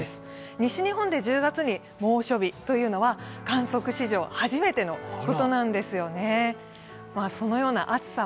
西日本で１０月に猛暑日というのは観測史上初めてのことなんですよね。